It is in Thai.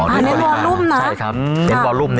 อ๋อเน้นวอลูมนะ